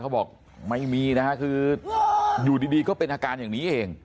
เขาบอกขอคำสั่งไม่มีคืออยู่ดีก็เป็นอาการอย่างนี้เอง